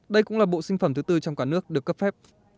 đây cũng là bộ sinh phẩm thứ tư trong cả nước được cấp phép